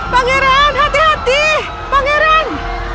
pangeran hati hati pangeran